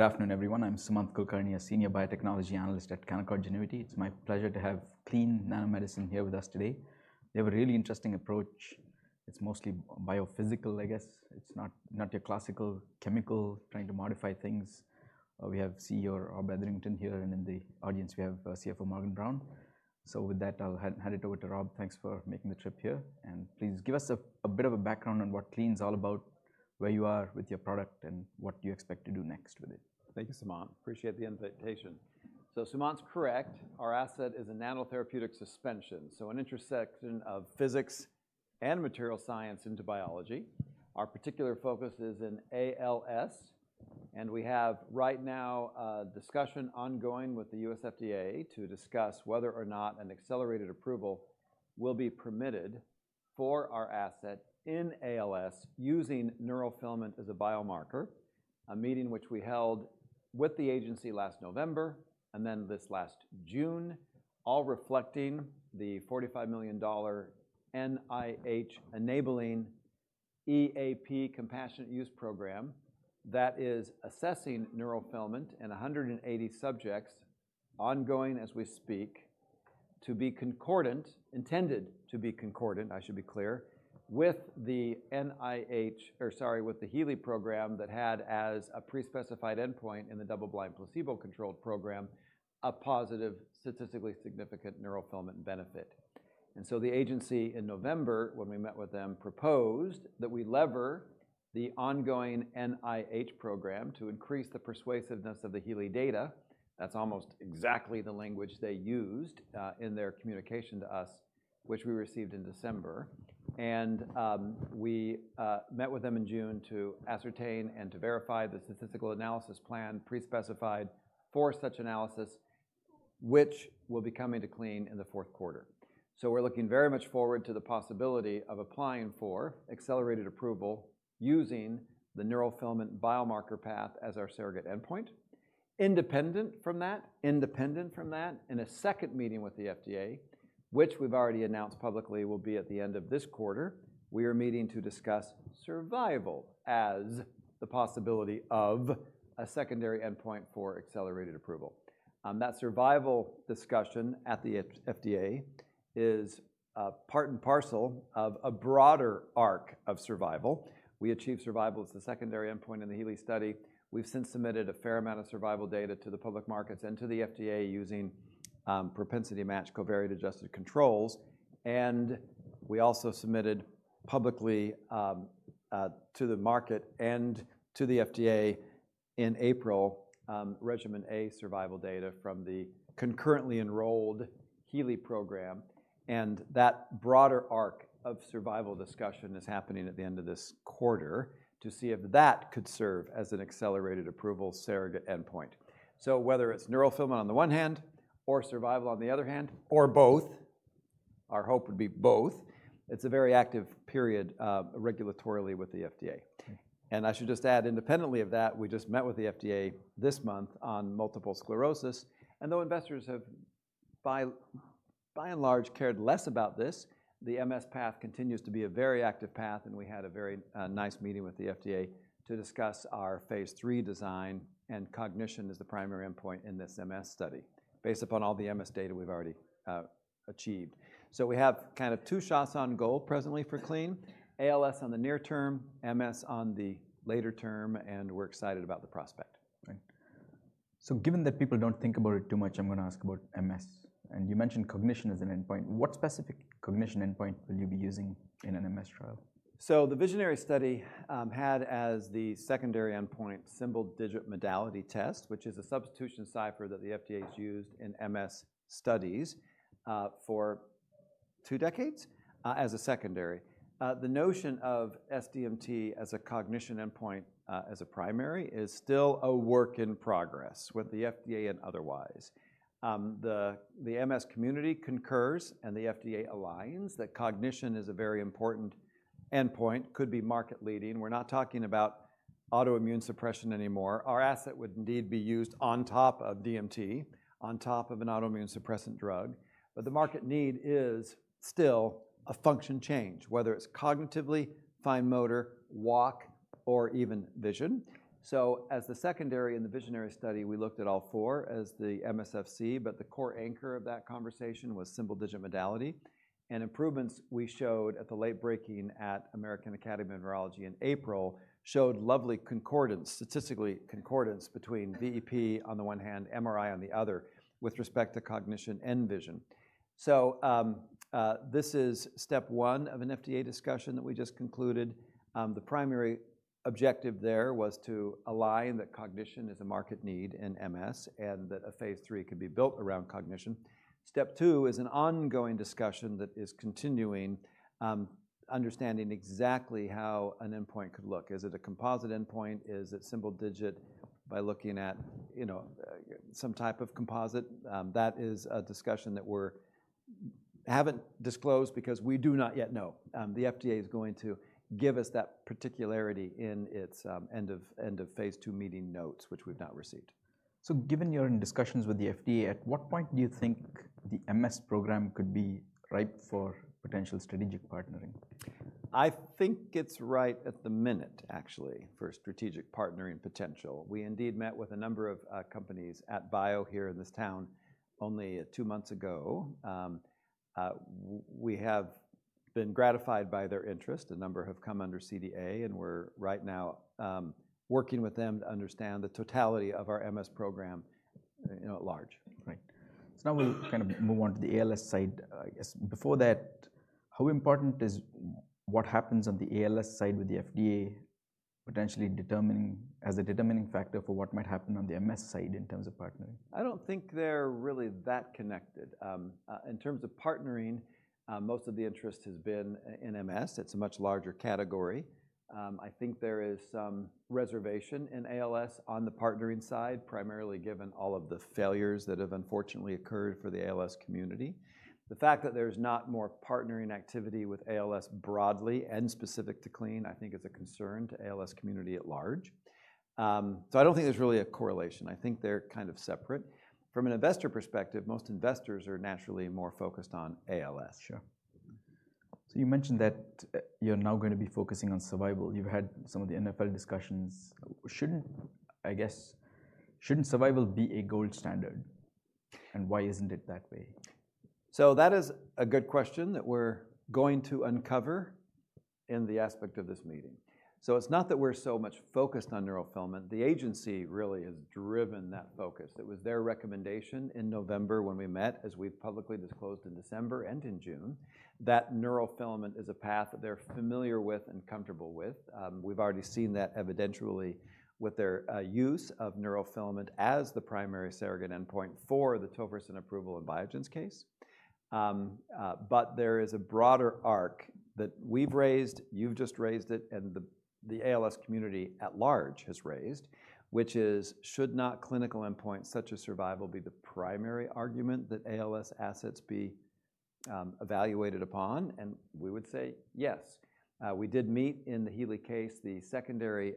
Good afternoon, everyone. I'm Sumant Kulkarni, Senior Biotechnology Analyst at Canaccord Genuity. It's my pleasure to have Clene Nanomedicine here with us today. They have a really interesting approach. It's mostly biophysical, I guess. It's not your classical chemical trying to modify things. We have CEO Rob Etherington here, and in the audience, we have CFO Morgan Brown. With that, I'll hand it over to Rob. Thanks for making the trip here. Please give us a bit of a background on what Clene is all about, where you are with your product, and what you expect to do next with it. Thank you, Sumant. Appreciate the invitation. Sumant's correct, our asset is a nanotherapeutic suspension, an intersection of physics and material science into biology. Our particular focus is in ALS, and we have right now a discussion ongoing with the U.S. FDA to discuss whether or not an accelerated approval will be permitted for our asset in ALS using neurofilament as a biomarker, a meeting which we held with the agency last November and then this last June, all reflecting the $45 million NIH enabling EAP compassionate use program that is assessing neurofilament in 180 subjects ongoing as we speak to be concordant, intended to be concordant, I should be clear, with the NIH, or sorry, with the HEALEY program trial that had as a pre-specified endpoint in the double-blind placebo-controlled program a positive statistically significant neurofilament benefit. The agency in November, when we met with them, proposed that we lever the ongoing NIH program to increase the persuasiveness of the HEALEY data. That's almost exactly the language they used in their communication to us, which we received in December. We met with them in June to ascertain and to verify the statistical analysis plan pre-specified for such analysis, which will be coming to Clene in the fourth quarter. We're looking very much forward to the possibility of applying for accelerated approval using the neurofilament biomarker path as our surrogate endpoint. Independent from that, in a second meeting with the FDA, which we've already announced publicly will be at the end of this quarter, we are meeting to discuss survival as the possibility of a secondary endpoint for accelerated approval. That survival discussion at the FDA is part and parcel of a broader arc of survival. We achieve survival as the secondary endpoint in the HEALEY study. We've since submitted a fair amount of survival data to the public markets and to the FDA using propensity match covariate-adjusted controls. We also submitted publicly to the market and to the FDA in April, Regimen A survival data from the concurrently enrolled HEALEY program. That broader arc of survival discussion is happening at the end of this quarter to see if that could serve as an accelerated approval surrogate endpoint. Whether it's neurofilament on the one hand or survival on the other hand, or both, our hope would be both, it's a very active period regulatorily with the FDA. I should just add independently of that, we just met with the FDA this month on multiple sclerosis. Though investors have, by and large, cared less about this, the MS path continues to be a very active path. We had a very nice meeting with the FDA to discuss our phase III design and cognition as the primary endpoint in this MS study based upon all the MS data we've already achieved. We have kind of two shots on goal presently for Clene: ALS on the near term, MS on the later term, and we're excited about the prospect. Given that people don't think about it too much, I'm going to ask about MS. You mentioned cognition as an endpoint. What specific cognition endpoint will you be using in an MS trial? The Visionary study had as the secondary endpoint symbol digit modality test, which is a substitution cipher that the FDA has used in MS studies for two decades as a secondary. The notion of SDMT as a cognition endpoint as a primary is still a work in progress, whether the FDA and otherwise. The MS community concurs and the FDA aligns that cognition is a very important endpoint, could be market leading. We're not talking about autoimmune suppression anymore. Our asset would indeed be used on top of DMT, on top of an autoimmune suppressant drug. The market need is still a function change, whether it's cognitively, fine motor, walk, or even vision. As the secondary in the VISIONARY study, we looked at all four as the MSFC, but the core anchor of that conversation was symbol digit modality. Improvements we showed at the late breaking at American Academy of Neurology in April showed lovely concordance, statistically concordance between VEP on the one hand, MRI on the other with respect to cognition and vision. This is step one of an FDA discussion that we just concluded. The primary objective there was to align that cognition is a market need in MS and that a phase III could be built around cognition. Step two is an ongoing discussion that is continuing, understanding exactly how an endpoint could look. Is it a composite endpoint? Is it symbol digit by looking at some type of composite? That is a discussion that we haven't disclosed because we do not yet know. The FDA is going to give us that particularity in its end of phase II meeting notes, which we've not received. in discussions with the FDA, at what point do you think the MS program could be ripe for potential strategic partnering? I think it's right at the minute, actually, for strategic partnering potential. We indeed met with a number of companies at Bio here in this town only two months ago. We have been gratified by their interest. A number have come under CDA, and we're right now working with them to understand the totality of our MS program at large. Now we'll kind of move on to the ALS side. I guess before that, how important is what happens on the ALS side with the FDA potentially as a determining factor for what might happen on the MS side in terms of partnering? I don't think they're really that connected. In terms of partnering, most of the interest has been in MS. It's a much larger category. I think there is some reservation in ALS on the partnering side, primarily given all of the failures that have unfortunately occurred for the ALS community. The fact that there's not more partnering activity with ALS broadly and specific to Clene, I think it's a concern to the ALS community at large. I don't think there's really a correlation. I think they're kind of separate. From an investor perspective, most investors are naturally more focused on ALS. Sure. You mentioned that you're now going to be focusing on survival. You've had some of the NFL discussions. Shouldn't survival be a gold standard? Why isn't it that way? That is a good question that we're going to uncover in the aspect of this meeting. It's not that we're so much focused on neurofilament. The agency really has driven that focus. It was their recommendation in November when we met, as we publicly disclosed in December and in June, that neurofilament is a path that they're familiar with and comfortable with. We've already seen that evidentially with their use of neurofilament as the primary surrogate endpoint for the tofersen approval in Biogen's case. There is a broader arc that we've raised, you've just raised it, and the ALS community at large has raised, which is, should not clinical endpoints such as survival be the primary argument that ALS assets be evaluated upon? We would say yes. We did meet in the HEALEY case the secondary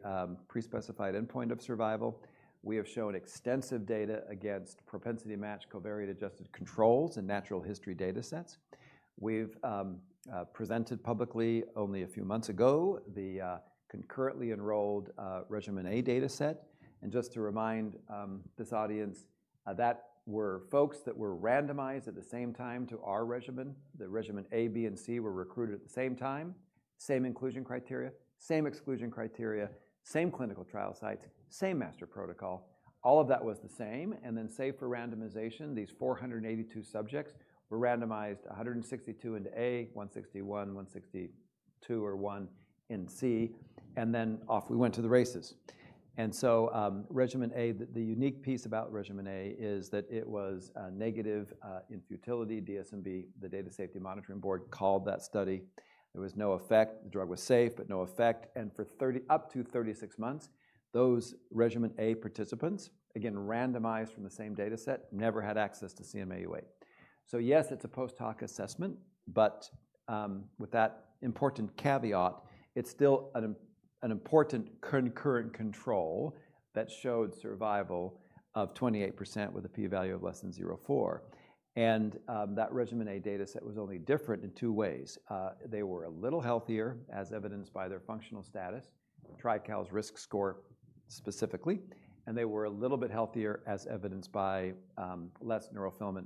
pre-specified endpoint of survival. We have shown extensive data against propensity match covariate-adjusted controls and natural history data sets. We've presented publicly only a few months ago the concurrently enrolled Regimen A data set. Just to remind this audience, those were folks that were randomized at the same time to our regimen. The Regimen A, B, and C were recruited at the same time, same inclusion criteria, same exclusion criteria, same clinical trial sites, same master protocol. All of that was the same. Safe for randomization, these 482 subjects were randomized 162 into A, 161, 162, or 1 in C, and then off we went to the races. Regimen A, the unique piece about Regimen A is that it was negative in futility. DSMB, the Data Safety Monitoring Board, called that study. There was no effect. The drug was safe, but no effect. For up to 36 months, those Regimen A participants, again randomized from the same data set, never had access to CNM-Au8. Yes, it's a post-hoc assessment, but with that important caveat, it's still an important concurrent control that showed survival of 28% with a p-value of less than 0.04. That Regimen A data set was only different in two ways. They were a little healthier, as evidenced by their functional status, TRICALS risk score specifically, and they were a little bit healthier, as evidenced by less neurofilament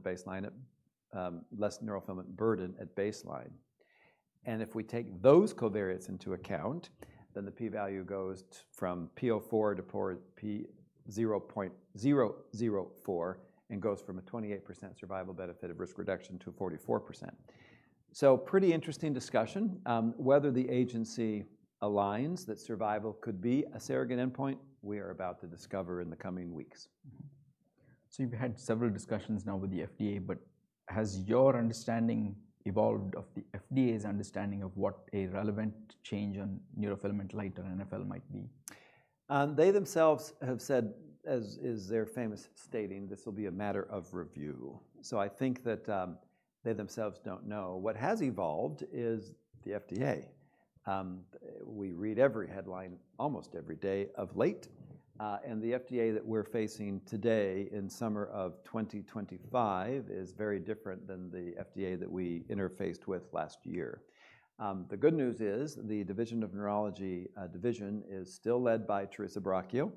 burden at baseline. If we take those covariates into account, then the p-value goes from 0.04 to 0.004 and goes from a 28% survival benefit of risk reduction to 44%. Pretty interesting discussion. Whether the agency aligns that survival could be a surrogate endpoint, we are about to discover in the coming weeks. had several discussions now with the FDA, but has your understanding evolved of the FDA's understanding of what a relevant change on neurofilament light chain or NFL might be? They themselves have said, as is their famous stating, this will be a matter of review. I think that they themselves don't know. What has evolved is the FDA. We read every headline almost every day of late. The FDA that we're facing today in summer of 2025 is very different than the FDA that we interfaced with last year. The good news is the Division of Neurology is still led by Teresa Buracchio,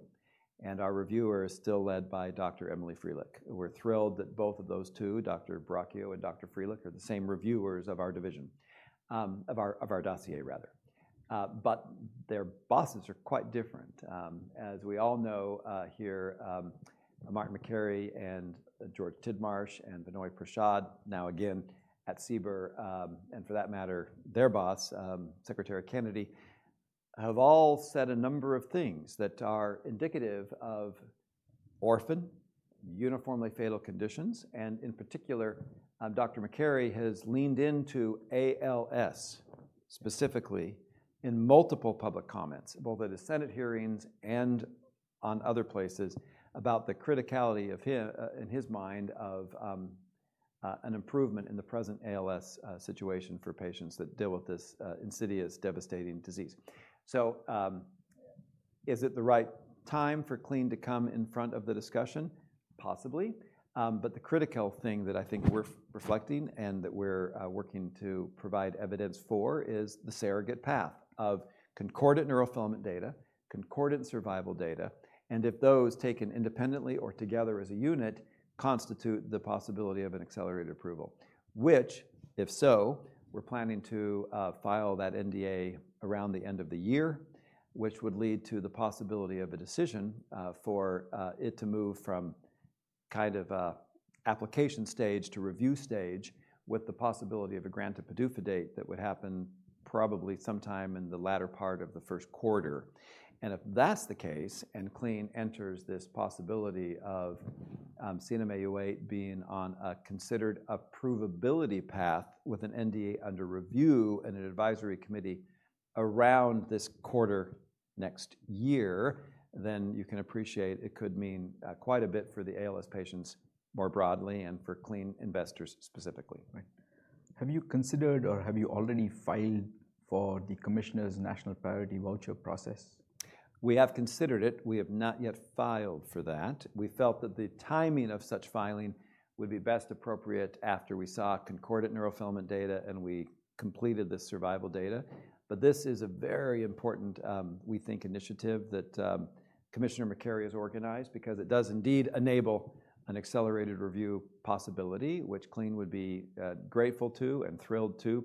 and our reviewer is still Dr. Emily Freilich. We're thrilled that both of those two, Dr. Buracchio and Dr. Freilich, are the same reviewers of our division, of our dossier, rather. Their bosses are quite different. As we all know here, Martin Makary and George Tidmarsh and Vinay Prasad, now again at CBER, and for that matter, their boss, Secretary Kennedy, have all said a number of things that are indicative of orphan, uniformly fatal conditions. In particular, Dr. Makary has leaned into ALS specifically in multiple public comments, both at his Senate hearings and in other places, about the criticality in his mind of an improvement in the present ALS situation for patients that deal with this insidious, devastating disease. Is it the right time for Clene to come in front of the discussion? Possibly. The critical thing that I think we're reflecting and that we're working to provide evidence for is the surrogate path of concordant neurofilament data, concordant survival data, and if those taken independently or together as a unit constitute the possibility of an accelerated approval, which, if so, we're planning to file that NDA around the end of the year, which would lead to the possibility of a decision for it to move from kind of an application stage to review stage with the possibility of a granted PDUFA date that would happen probably sometime in the latter part of the first quarter. If that's the case and Clene enters this possibility of CNM-Au8 being on a considered approvability path with an NDA under review and an advisory committee around this quarter next year, you can appreciate it could mean quite a bit for the ALS patients more broadly and for Clene investors specifically. Have you considered or have you already filed for the Commissioner's National Priority Voucher process? We have considered it. We have not yet filed for that. We felt that the timing of such filing would be best appropriate after we saw concordant neurofilament data and we completed the survival data. This is a very important, we think, initiative that Commissioner Makary has organized because it does indeed enable an accelerated review possibility, which Clene would be grateful to and thrilled to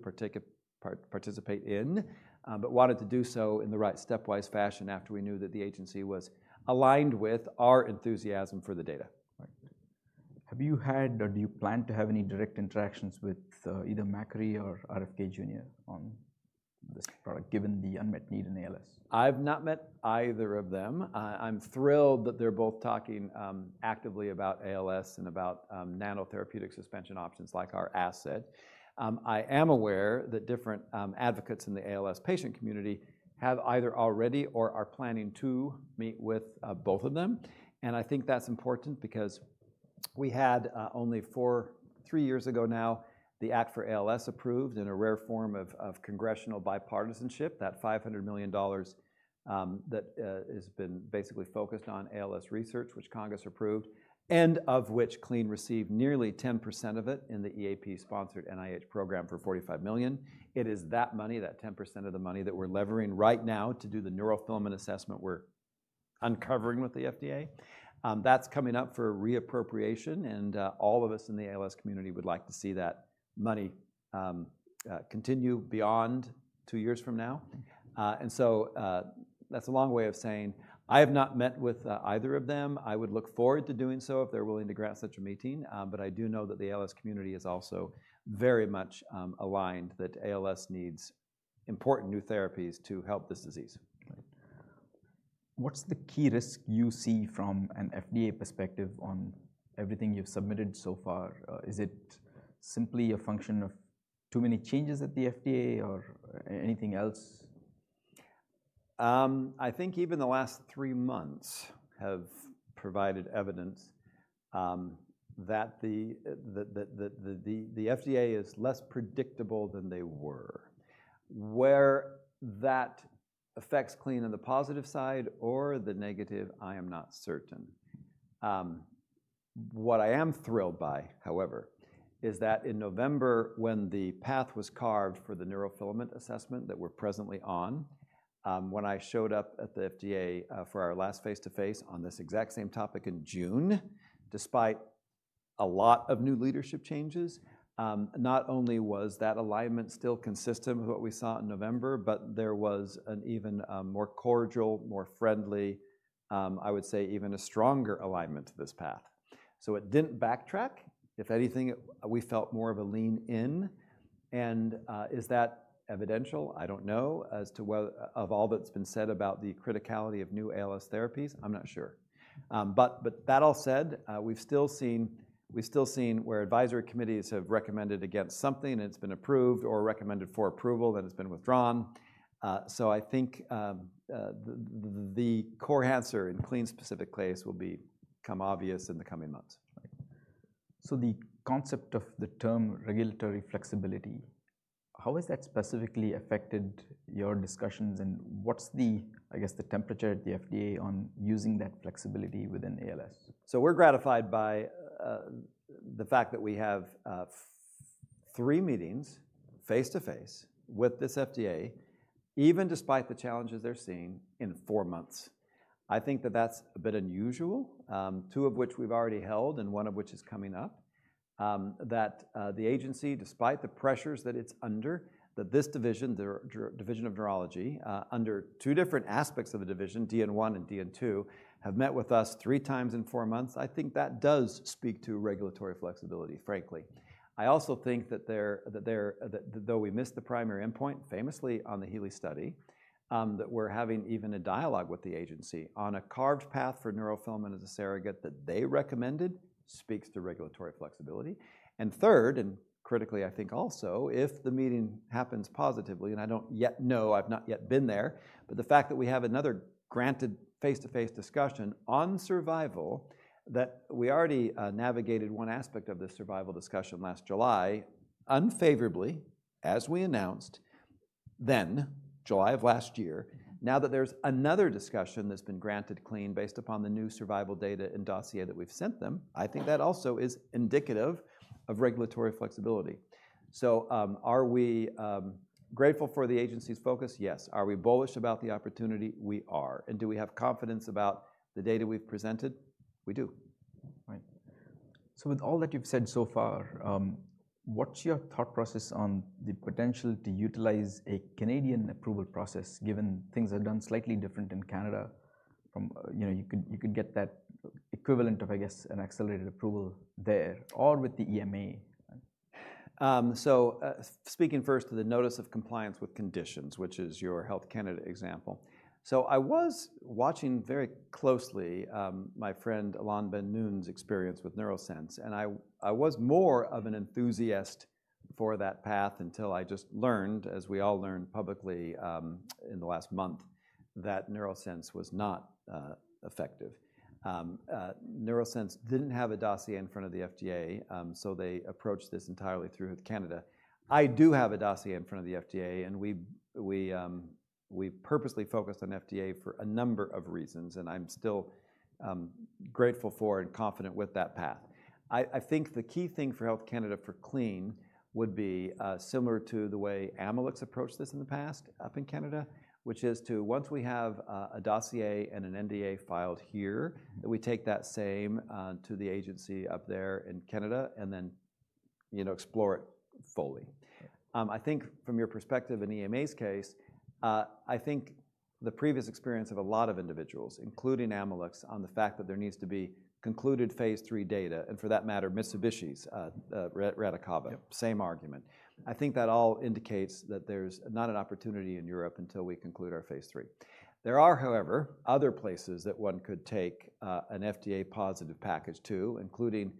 participate in, and wanted to do so in the right stepwise fashion after we knew that the agency was aligned with our enthusiasm for the data. Have you had or do you plan to have any direct interactions with either Makary or RFK Jr. on this product, given the unmet need in ALS? I've not met either of them. I'm thrilled that they're both talking actively about ALS and about nanotherapeutic suspension options like our asset. I am aware that different advocates in the ALS patient community have either already or are planning to meet with both of them. I think that's important because we had only four, three years ago now, the Act for ALS approved in a rare form of congressional bipartisanship, that $500 million that has been basically focused on ALS research, which Congress approved, and of which Clene received nearly 10% of it in the EAP sponsored NIH program for $45 million. It is that money, that 10% of the money that we're levering right now to do the neurofilament assessment we're uncovering with the FDA. That's coming up for reappropriation, and all of us in the ALS community would like to see that money continue beyond two years from now. That's a long way of saying I have not met with either of them. I would look forward to doing so if they're willing to grant such a meeting. I do know that the ALS community is also very much aligned that ALS needs important new therapies to help this disease. What's the key risk you see from an FDA perspective on everything you've submitted so far? Is it simply a function of too many changes at the FDA or anything else? I think even the last three months have provided evidence that the FDA is less predictable than they were. Whether that affects Clene on the positive side or the negative, I am not certain. What I am thrilled by, however, is that in November, when the path was carved for the neurofilament assessment that we're presently on, when I showed up at the FDA for our last face-to-face on this exact same topic in June, despite a lot of new leadership changes, not only was that alignment still consistent with what we saw in November, but there was an even more cordial, more friendly, I would say even a stronger alignment to this path. It didn't backtrack. If anything, we felt more of a lean in. Is that evidential? I don't know. As to whether all that's been said about the criticality of new ALS therapies, I'm not sure. That all said, we've still seen where advisory committees have recommended against something and it's been approved or recommended for approval and it's been withdrawn. I think the core answer in Clene's specific case will become obvious in the coming months. The concept of the term regulatory flexibility, how has that specifically affected your discussions and what's the, I guess, the temperature at the FDA on using that flexibility within ALS? We're gratified by the fact that we have three meetings face-to-face with the FDA, even despite the challenges they're seeing in four months. I think that's a bit unusual, two of which we've already held and one of which is coming up, that the agency, despite the pressures that it's under, that this division, the Division of Neurology, under two different aspects of the division, DN I and DN II, have met with us three times in four months. I think that does speak to regulatory flexibility, frankly. I also think that though we missed the primary endpoint, famously on the HEALEY study, that we're having even a dialogue with the agency on a carved path for neurofilament light chain as a surrogate endpoint that they recommended speaks to regulatory flexibility. Third, and critically, I think also, if the meeting happens positively, and I don't yet know, I've not yet been there, but the fact that we have another granted face-to-face discussion on survival, that we already navigated one aspect of the survival discussion last July, unfavorably, as we announced then, July of last year, now that there's another discussion that's been granted Clene based upon the new survival data and dossier that we've sent them, I think that also is indicative of regulatory flexibility. Are we grateful for the agency's focus? Yes. Are we bullish about the opportunity? We are. Do we have confidence about the data we've presented? We do. With all that you've said so far, what's your thought process on the potential to utilize a Canadian approval process, given things are done slightly different in Canada? You could get that equivalent of, I guess, an accelerated approval there or with the EMA. Speaking first to the notice of compliance with conditions, which is your Health Canada example, I was watching very closely my friend Alon Ben-Noon's experience with NeuroSense, and I was more of an enthusiast for that path until I just learned, as we all learned publicly in the last month, that NeuroSense was not effective. NeuroSense didn't have a dossier in front of the FDA, so they approached this entirely through Health Canada. I do have a dossier in front of the FDA, and we purposely focused on FDA for a number of reasons, and I'm still grateful for and confident with that path. I think the key thing for Health Canada for Clene would be similar to the way Amylyx approached this in the past up in Canada, which is to, once we have a dossier and a NDA filed here, take that same to the agency up there in Canada and then explore it fully. I think from your perspective in EMA's case, the previous experience of a lot of individuals, including Amylyx, on the fact that there needs to be concluded phase III data, and for that matter, Mitsubishi's Radicava, same argument. I think that all indicates that there's not an opportunity in Europe until we conclude our phase III. There are, however, other places that one could take an FDA positive package to, including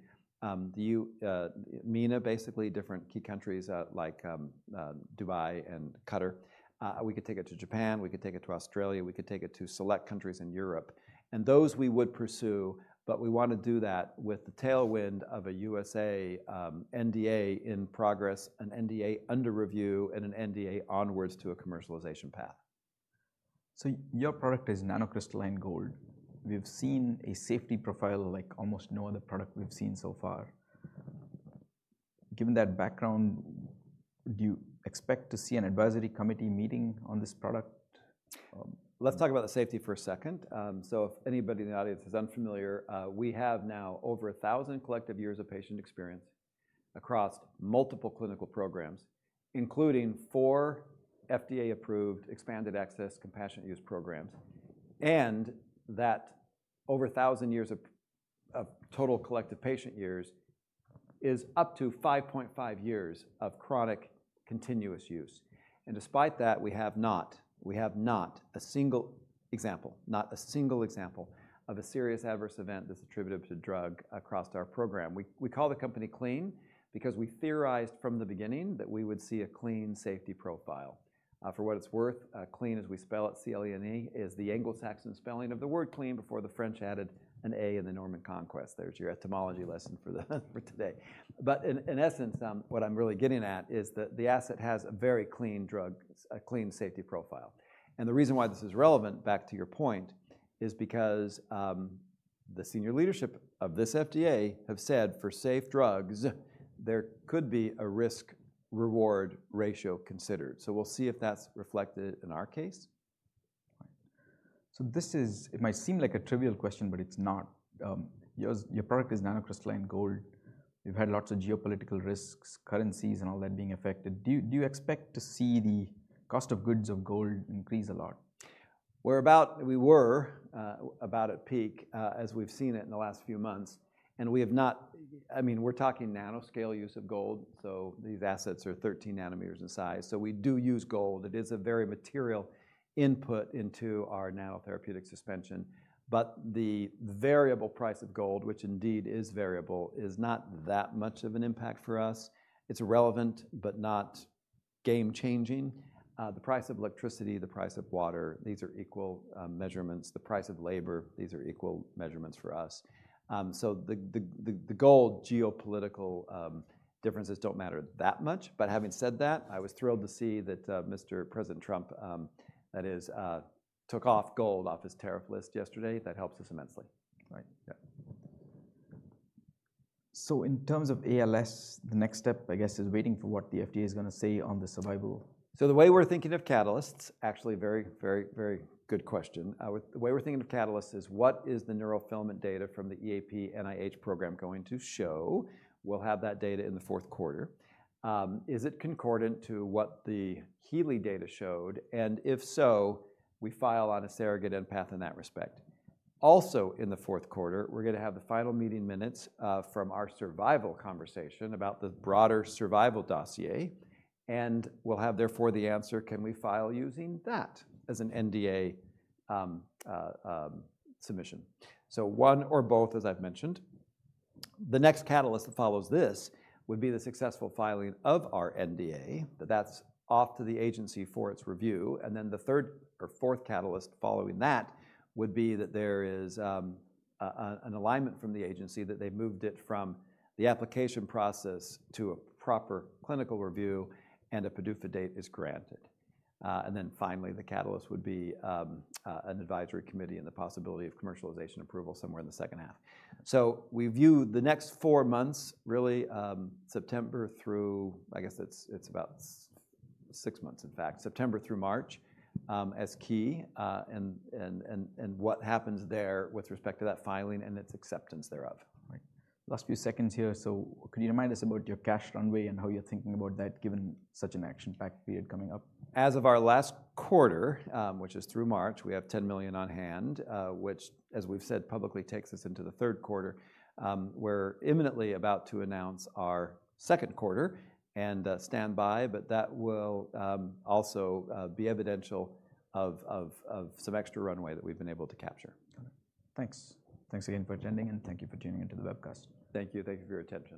MENA, basically different key countries like Dubai and Qatar. We could take it to Japan. We could take it to Australia. We could take it to select countries in Europe. Those we would pursue, but we want to do that with the tailwind of a U.S.A. NDA in progress, an NDA under review, and an NDA onwards to a commercialization path. Your product is nanocrystalline gold. We've seen a safety profile like almost no other product we've seen so far. Given that background, do you expect to see an advisory committee meeting on this product? Let's talk about the safety for a second. If anybody in the audience is unfamiliar, we have now over 1,000 collective years of patient experience across multiple clinical programs, including four FDA-approved expanded access compassionate use programs. That over 1,000 years of total collective patient years is up to 5.5 years of chronic continuous use. Despite that, we have not a single example, not a single example of a serious adverse event that's attributable to drug across our program. We call the company Clene because we theorized from the beginning that we would see a clean safety profile. For what it's worth, Clene, as we spell it, C-L-E-N-E, is the Anglo-Saxon spelling of the word clean before the French added an A in the Norman Conquest. There's your etymology lesson for today. In essence, what I'm really getting at is that the asset has a very clean drug, a clean safety profile. The reason why this is relevant, back to your point, is because the senior leadership of this FDA have said for safe drugs, there could be a risk-reward ratio considered. We'll see if that's reflected in our case. It might seem like a trivial question, but it's not. Your product is nanocrystalline gold. We've had lots of geopolitical risks, currencies, and all that being affected. Do you expect to see the cost of goods of gold increase a lot? We're about, we were about at peak, as we've seen it in the last few months. We have not, I mean, we're talking nanoscale use of gold. These assets are 13 nm in size. We do use gold. It is a very material input into our nanotherapeutic suspension. The variable price of gold, which indeed is variable, is not that much of an impact for us. It's relevant, but not game-changing. The price of electricity, the price of water, these are equal measurements. The price of labor, these are equal measurements for us. The gold geopolitical differences don't matter that much. Having said that, I was thrilled to see that Mr. President Trump, that is, took gold off his tariff list yesterday. That helps us immensely. In terms of ALS, the next step, I guess, is waiting for what the FDA is going to say on the survival. The way we're thinking of catalysts is, actually, very, very, very good question. The way we're thinking of catalysts is what is the neurofilament data from the EAP NIH program going to show? We'll have that data in the fourth quarter. Is it concordant to what the HEALEY data showed? If so, we file on a surrogate endpoint in that respect. Also in the fourth quarter, we're going to have the final meeting minutes from our survival conversation about the broader survival dossier. We'll have, therefore, the answer, can we file using that as an NDA submission? One or both, as I've mentioned. The next catalyst that follows this would be the successful filing of our NDA. That's off to the agency for its review. The third or fourth catalyst following that would be that there is an alignment from the agency that they've moved it from the application process to a proper clinical review, and a PDUFA date is granted. Finally, the catalyst would be an advisory committee and the possibility of commercialization approval somewhere in the second half. We view the next four months, really, September through, I guess it's about six months, in fact, September through March as key. What happens there with respect to that filing and its acceptance thereof. Last few seconds here. Could you remind us about your cash runway and how you're thinking about that given such an action-packed period coming up? As of our last quarter, which is through March, we have $10 million on hand, which, as we've said publicly, takes us into the third quarter. We're imminently about to announce our second quarter, and standby, but that will also be evidential of some extra runway that we've been able to capture. Thanks again for attending, and thank you for tuning into the webcast. Thank you. Thank you for your attention.